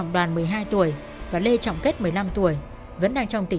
dậy dậy dậy